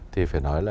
thì phải nói là